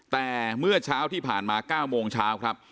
แต่เมื่อเช้าที่ผ่านมา๙โมงเช้าครับ